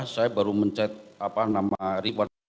saya baru mencet apa nama report